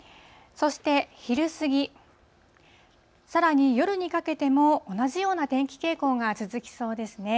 そして昼過ぎ、さらに夜にかけても、同じような天気傾向が続きそうですね。